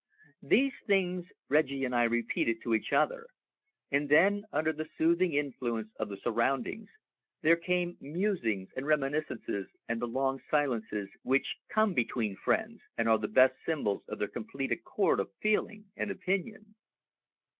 These things Reggie and I repeated to each other, and then, under the soothing influence of the surroundings, there came musings and reminiscences and the long silences which come between friends and are the best symbols of their complete accord of feeling and opinion.